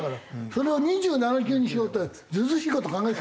それを２７球にしようってずうずうしい事考えてた。